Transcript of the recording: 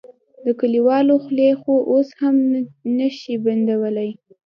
د کليوالو خولې خو اوس هم نه شې بندولی.